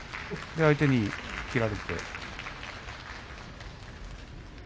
相手に切られて。